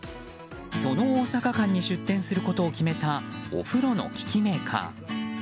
その大阪館に出展することを決めたお風呂の機器メーカー。